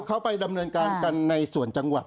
ที่เค้าไปดำเนินการในส่วนจังหวัด